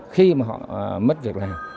khi mà họ mất việc làm